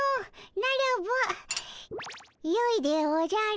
ならばよいでおじゃる。